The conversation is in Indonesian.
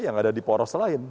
yang ada di poros lain